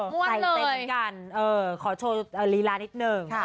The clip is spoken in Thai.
มวดเลยใส่เต็มเหมือนกันขอโชว์ลีลานิดหนึ่ง